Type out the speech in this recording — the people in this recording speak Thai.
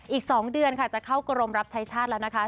อีก๒เดือนค่ะจะเข้ากรมรับใช้ชาติแล้วนะคะ